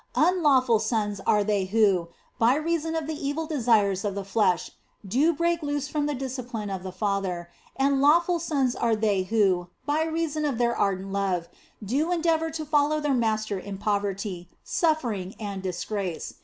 Unlawful sons are they who, by reason of the evil desires of the flesh, do break loose from the discipline of the Father, and lawful sons are they who, by reason of their ardent love, do endeavour to follow their Master in poverty, suffering, and disgrace.